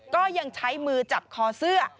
ก็ยังใช้มือจับคอเสื้อ